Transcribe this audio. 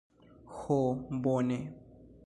Ho bone...